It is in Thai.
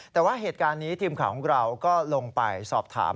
แต่ว่าเหตุการณ์นี้ทีมข่าวของเราก็ลงไปสอบถาม